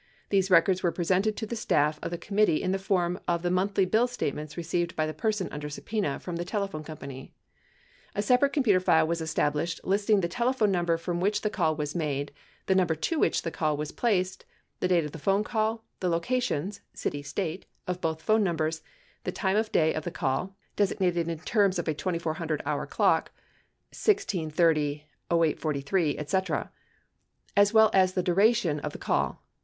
These records wore presented to the staff of the committee in the form of the monthly bill statements received by the person under sub pen a from the telephone company. A separate computer file was established listing the telephone num ber from which the call was made, the number to which the call was placed, the date of the phone call, the locations (city, State) of both phone numbers, the time of day of the call (designated in terms of a 2400 hour clock; 1630, 0843, et cetera) as well as the duration of the call.